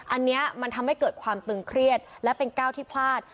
อันนี้มันทำให้เกิดความตึงเครียดและเป็นก้าวที่พลาด